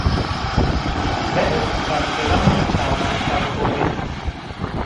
Verê karkeran raçarna patronî